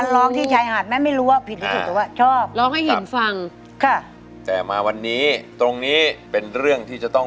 ร้องแน่นอน